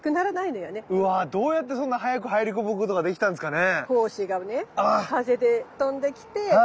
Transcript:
うわどうやってそんな早く入り込むことができたんですかね？